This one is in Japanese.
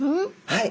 はい。